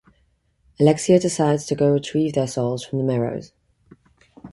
Alexia decides to go retrieve their souls from the merrows.